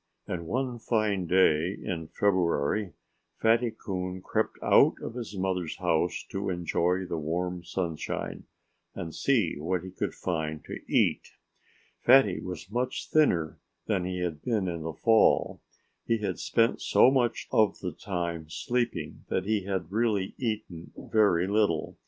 And one fine day in February Fatty Coon crept out of his mother's house to enjoy the warm sunshine and see what he could find to eat. Fatty was much thinner than he had been in the fall. He had spent so much of the time sleeping that he had really eaten very little.